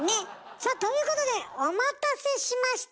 さあということでお待たせしました！